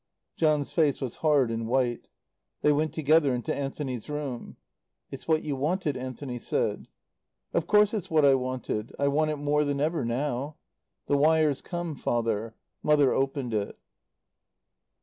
John's face was hard and white. They went together into Anthony's room. "It's what you wanted," Anthony said. "Of course it's what I wanted. I want it more than ever now. "The wire's come, Father. Mother opened it."